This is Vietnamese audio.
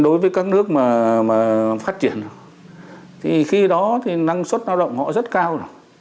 đối với các nước mà phát triển thì khi đó thì năng suất lao động họ rất cao